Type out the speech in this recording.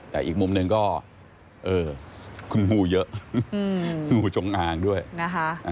แต่อีกมุมหนึ่งก็เออคุณงูเยอะงูจงอางด้วยนะคะ